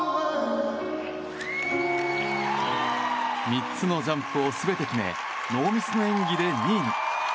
３つのジャンプを全て決めノーミスの演技で２位に。